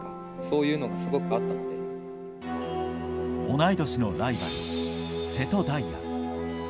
同い年のライバル瀬戸大也。